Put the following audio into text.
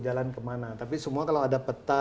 jalan kemana tapi semua kalau ada peta